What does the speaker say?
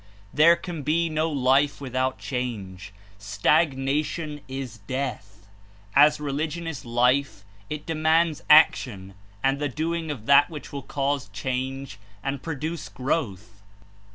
There can be no life without change; stagnation is death. As religion is life it demands action and the doing of that which will cause change and produce growth.